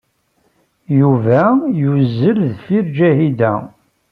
Yuba yuzzel deffir Ǧahida.